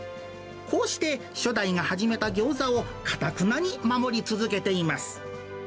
こうして、初代が始めたギョーザを、かたくなに守り続けています。